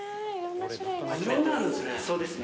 いろんなのあるんすね。